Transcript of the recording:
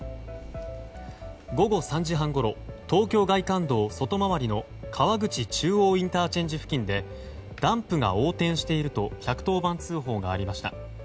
午後３時半ごろ東京外環道外回りの川口中央ＩＣ付近でダンプが横転していると１１０番通報がありました。